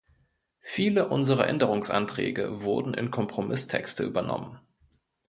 Viele unserer Änderungsanträge wurden in Kompromisstexte übernommen.